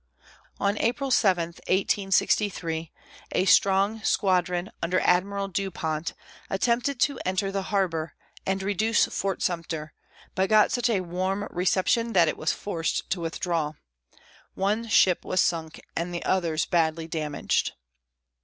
On April 7, 1863, a strong squadron under Admiral Dupont attempted to enter the harbor and reduce Fort Sumter, but got such a warm reception that it was forced to withdraw. One ship was sunk and the others badly damaged.